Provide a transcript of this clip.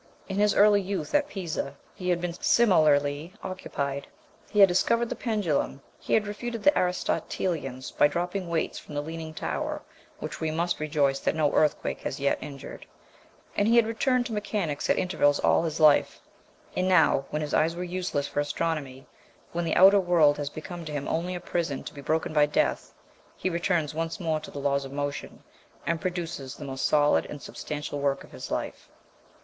In his early youth, at Pisa, he had been similarly occupied; he had discovered the pendulum, he had refuted the Aristotelians by dropping weights from the leaning tower (which we must rejoice that no earthquake has yet injured), and he had returned to mechanics at intervals all his life; and now, when his eyes were useless for astronomy, when the outer world has become to him only a prison to be broken by death, he returns once more to the laws of motion, and produces the most solid and substantial work of his life.